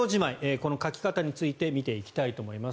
この書き方について見ていきたいと思います。